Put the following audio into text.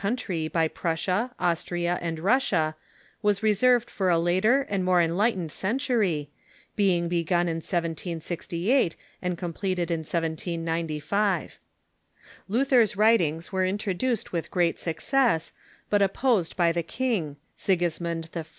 r^ ■ country by Prussia, Austria, and Kussia was reserved for a later and more enlightened century, being begun in 1768 and completed in 1795. Luther's writings were introduced with great success, but opposed by the king, Sigismund I.